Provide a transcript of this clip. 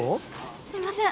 すいません。